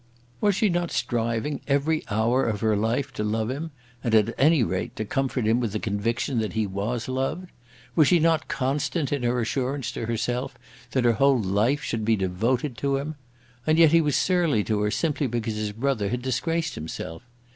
Was she not striving every hour of her life to love him, and, at any rate, to comfort him with the conviction that he was loved? Was she not constant in her assurance to herself that her whole life should be devoted to him? And yet he was surly to her simply because his brother had disgraced himself!